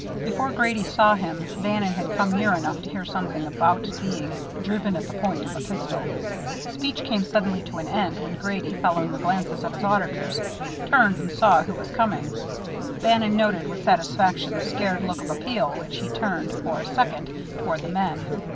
Before Grady saw him, Bannon had come near enough to hear something about being "driven at the point of a pistol." The speech came suddenly to an end when Grady, following the glances of his auditors, turned and saw who was coming. Bannon noted with satisfaction the scared look of appeal which he turned, for a second, toward the men.